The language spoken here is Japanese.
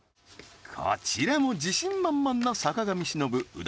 こちらも自信満々な坂上忍右團